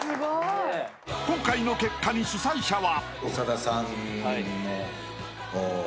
［今回の結果に主催者は］